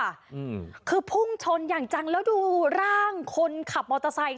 อืมคือพุ่งชนอย่างจังแล้วดูร่างคนขับมอเตอร์ไซค์